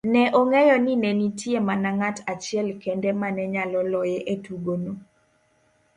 Ne ong'eyo nine nitie mana ng'at achiel kende mane nyalo loye etugono.